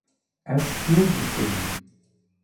Ez fêr dikim.